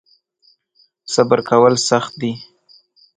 صبر کول سخت دی .